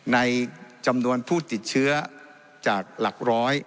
ในจำนวนผู้ติดเชื้อจากหลักร้อย